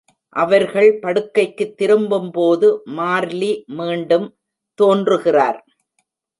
அவர்கள் படுக்கைக்குத் திரும்பும்போது, மார்லி மீண்டும் தோன்றுகிறார்.